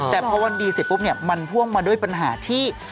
แต่เพราะวันดีเสร็จปุ๊บมันพ่วงมาด้วยปัญหาที่